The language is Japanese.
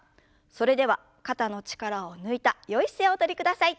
それでは肩の力を抜いたよい姿勢をおとりください。